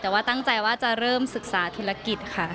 แต่ว่าตั้งใจว่าจะเริ่มศึกษาธุรกิจค่ะ